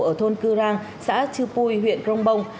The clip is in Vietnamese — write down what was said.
ở thôn cư rang xã chư pui huyện grong bong